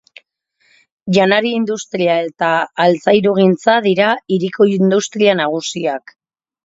Janari-industria eta altzairugintza dira hiriko industria nagusiak.